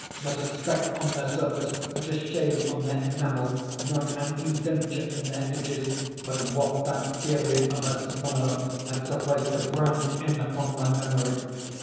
Not a speck on their surface—not a shade on their enamel—not an indenture in their edges—but what that period of her smile had sufficed to brand in upon my memory.